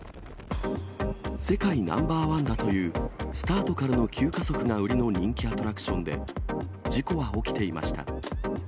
世界ナンバー１だというスタートからの急加速が売りの人気アトラクションで、事故は起きていました。